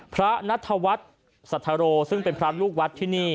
พระนัทวัฒน์สัทโรซึ่งเป็นพระลูกวัดที่นี่